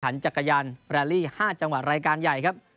จักรยานแรลลี่๕จังหวัดรายการใหญ่ครับ